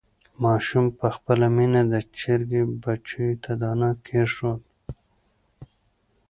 ماشوم په خپله مینه د چرګې بچیو ته دانه کېښوده.